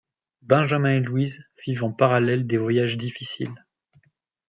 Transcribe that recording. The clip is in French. Benjamin et Louise vivent en parallèle des voyages difficiles.